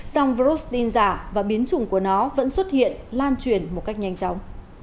song virus tin giả và biến chủng của nó vẫn xuất hiện lan truyền một cách nhanh chóng